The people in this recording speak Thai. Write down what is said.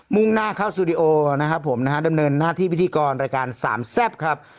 ่งหน้าเข้าสตูดิโอนะครับผมนะฮะดำเนินหน้าที่พิธีกรรายการสามแซ่บครับ